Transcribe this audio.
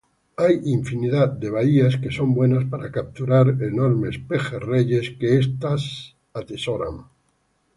Hay infinidad de bahías que son buenas para capturar enormes pejerreyes que esta atesora.